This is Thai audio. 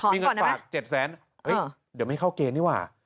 อ่าถอนก่อนได้ไหมเห้ยเดี๋ยวไม่เข้าเกณฑ์นี่ว่ะ